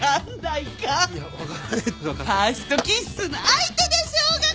ファーストキスの相手でしょうが。